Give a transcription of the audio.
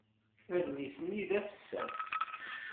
Adlis-nni d afessas.